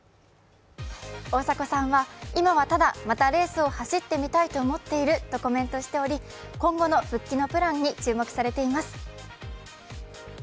大迫さんは今はただ、またレースを走ってみたいとコメントしており今後の復帰のプランに注目されています。